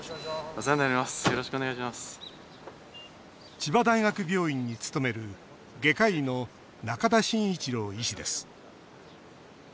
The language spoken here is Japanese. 千葉大学病院に勤める外科医の仲田真一郎医師です。